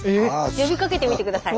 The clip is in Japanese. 呼びかけてみて下さい。